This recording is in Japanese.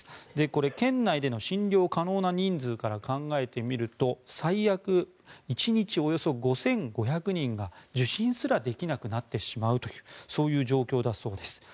これは県内での診療可能な人数から考えてみると最悪、１日およそ５５００人が受診すらできなくなってしまうというそういう状況だそうです。